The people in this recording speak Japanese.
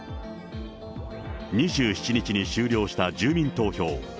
２７日に終了した住民投票。